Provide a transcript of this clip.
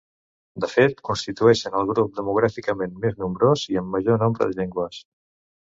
De fet constitueixen el grup demogràficament més nombrós i amb major nombre de llengües.